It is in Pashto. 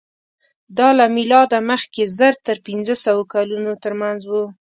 دا له مېلاده مخکې زر تر پینځهسوه کلونو تر منځ وو.